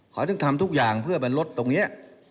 เขาจึงทำทุกอย่างเพื่อบรรลดตรงนี้